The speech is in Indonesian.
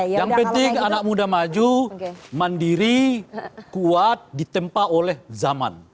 yang penting anak muda maju mandiri kuat ditempa oleh zaman